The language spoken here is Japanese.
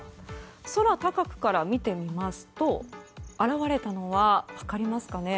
空高くから見てみますと現れたのは分かりますかね。